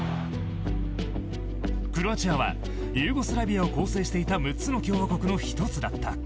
クロアチアはユーゴスラビアを構成していた６つの共和国の１つだった。